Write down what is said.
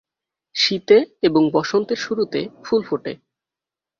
শীতে এবং বসন্তের শুরুতে ফুল ফোটে।